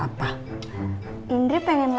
menuai naj pengin johan